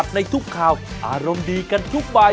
สวัสดีค่ะ